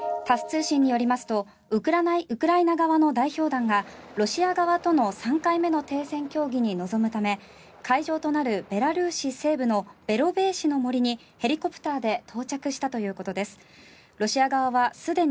タス通信によりますとウクライナ側の代表団がロシア側との３回目の停戦協議に臨むため会場となるベラルーシ西部のベロベーシの森にヘリコプターで到着したということです。